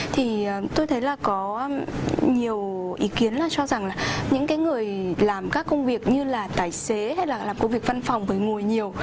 thì tôi thấy là có nhiều ý kiến là cho rằng là những cái người làm các công việc như là tài xế hay là làm công việc văn phòng phải ngồi nhiều